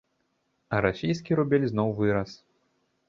А расійскі рубель зноў вырас.